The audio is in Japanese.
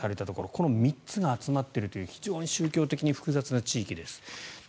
この３つが集まっているという非常に宗教的に複雑な地域です。